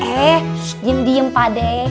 eh diam diam pade